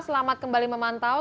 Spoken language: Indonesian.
selamat kembali memantau